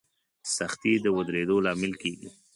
سختي د ودرېدو لامل کېږي.